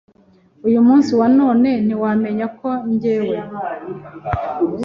uyu munsi wa none ntiwamenya ko njyewe